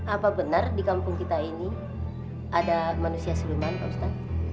apa benar di kampung kita ini ada manusia suluman pak ustadz